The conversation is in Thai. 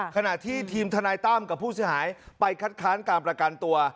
ขณะที่ทีมทนายตั้มกับผู้เสียหายไปคัดค้านการประกันตัว